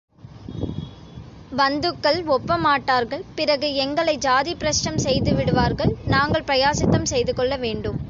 பந்துக்கள் ஒப்பமாட்டார்கள் பிறகு எங்களை ஜாதிப்பிரஷ்டம் செய்து விடுவார்கள், நாங்கள் பிராயச்சித்தம் செய்து கொள்ள வேண்டும்.